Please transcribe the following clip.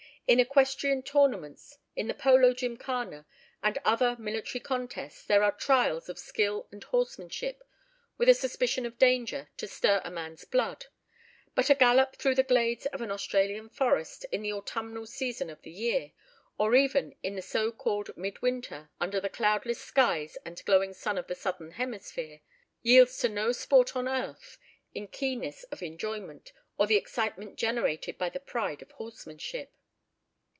In equestrian tournaments, in the polo gymkhana, and other military contests, there are trials of skill and horsemanship, with a suspicion of danger, to stir a man's blood. But a gallop through the glades of an Australian forest, in the autumnal season of the year, or even in the so called mid winter under the cloudless skies and glowing sun of the southern hemisphere, yields to no sport on earth, in keenness of enjoyment or the excitement generated by the pride of horsemanship.